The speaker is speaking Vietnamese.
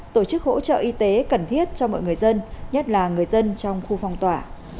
tổ chức hỗ trợ y tế cần thiết cho mọi người dân nhất là người dân trong khu phong tỏa